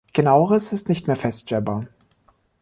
Genaueres ist nicht mehr feststellbar.